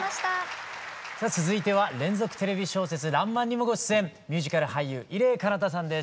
さあ続いては連続テレビ小説「らんまん」にもご出演ミュージカル俳優伊礼彼方さんです。